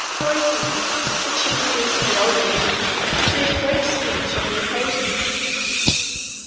Coifi, the chief priest of the old religion, made a great speech on the occasion.